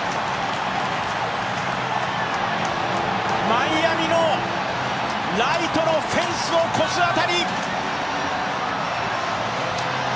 マイアミのライトのフェンスを越す当たり。